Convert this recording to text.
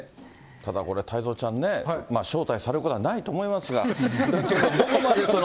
ただこれ太蔵ちゃんね、招待されることはないと思いますが、どこまで。